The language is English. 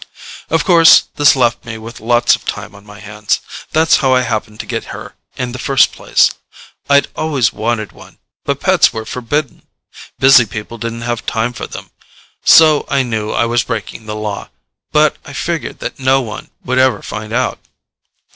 Of course, this left me with lots of time on my hands. That's how I happened to get her in the first place. I'd always wanted one, but pets were forbidden. Busy people didn't have time for them. So I knew I was breaking the Law. But I figured that no one would ever find out.